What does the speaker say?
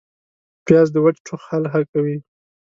پیاز د وچ ټوخ حل کوي